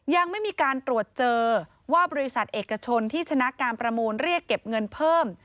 ยังไม่มีการตรวจเจอว่าบริษัทเอกชนที่ชนะการประมูลเรียกเก็บเงินเพิ่ม